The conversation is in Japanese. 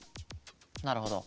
なるほど。